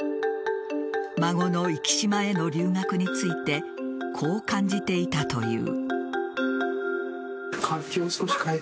孫の壱岐島への留学についてこう感じていたという。